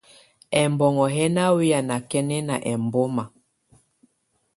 Ɛmbɔŋɔ́ yɛ́ ná wɛ́yá nákɛ́nɛná ɛmbɔ́má.